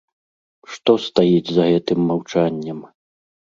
Што стаіць за гэтым маўчаннем?